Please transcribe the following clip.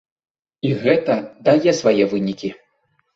І гэта дае свае вынікі.